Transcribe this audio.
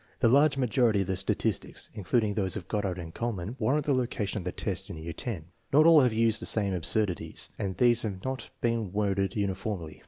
The large majority of the statistics, including those of Goddard and Eoihlniann, warrant the location of the test in year X. Not all have used the same absurdities, and these have not been worded uniformly.